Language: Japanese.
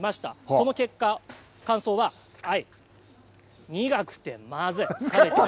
その結果、感想は苦くてまずい。